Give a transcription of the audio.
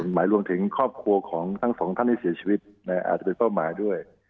หมายรวมถึงครอบครัวของทั้งสองท่านที่เสียชีวิตอาจจะเป็นเป้าหมายด้วย